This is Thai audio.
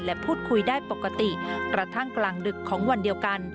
และพูดคุยได้ปกติกระทั่งกลางดึกของวันเดียวกัน